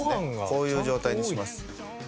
こういう状態にします。